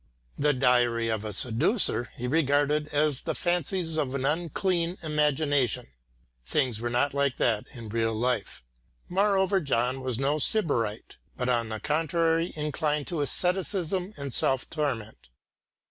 "The Diary of a Seducer" he regarded as the fancies of an unclean imagination. Things were not like that in real life. Moreover John was no sybarite, but on the contrary inclined to asceticism and self torment.